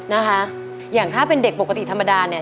นะคะอย่างถ้าเป็นเด็กปกติธรรมดาเนี่ย